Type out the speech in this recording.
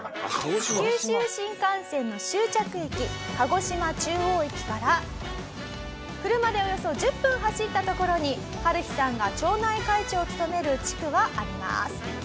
九州新幹線の終着駅鹿児島中央駅から車でおよそ１０分走った所にハルヒさんが町内会長を務める地区はあります。